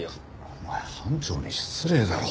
お前班長に失礼だろ。